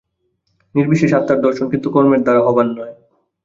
নির্বিশেষ আত্মার দর্শন কিন্তু কর্মের দ্বারা হবার নয়।